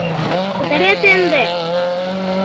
Пытарет ынде!